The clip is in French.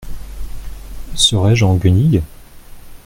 Serais-je en guenilles ?